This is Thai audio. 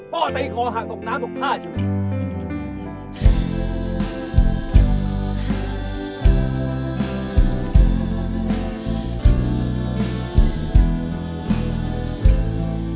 ป้อใต้ขอห่างตกน้ำตกผ้าจริงไหม